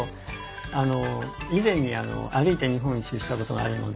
あの以前に歩いて日本一周したことがあるので。